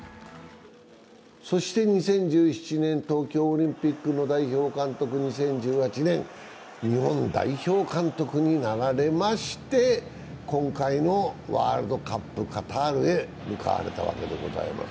２０１７年、東京オリンピックの代表監督、２０１８年、日本代表監督になられまして今回のワールドカップ・カタールへ向かわれたわけでございます。